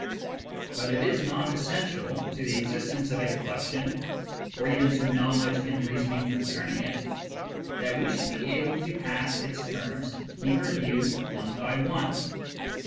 But it is not essential to the existence of a collection, or even to knowledge and reasoning concerning it, that we should be able to pass its terms in review one by one.